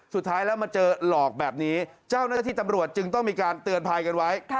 สุดท้ายแล้วมาเจอหลอกแบบนี้เจ้าหน้าที่ตำรวจจึงต้องมีการเตือนภัยกันไว้